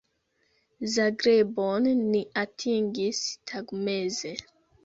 Zagrebon ni atingis tagmeze.